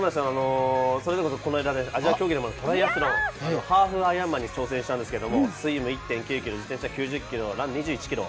それこそこの間、アジア選手権の競技のハーフアイアンマンに挑戦したんですけど、スイム１．９ｋｍ、自転車９０ｋｍ、ラン２１ｋｍ。